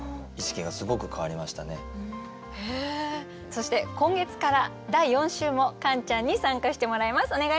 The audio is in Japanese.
そして今月から第４週もカンちゃんに参加してもらいます。